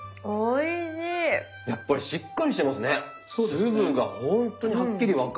粒がほんとにはっきりわかる。